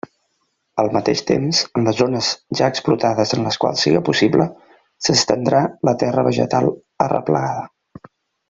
Al mateix temps, en les zones ja explotades en les quals siga possible, s'estendrà la terra vegetal arreplegada.